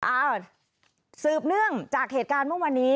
อ่าสืบเนื่องจากเหตุการณ์เมื่อวันนี้